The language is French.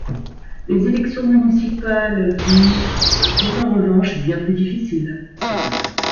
Les élections municipales du sont en revanche bien plus difficiles.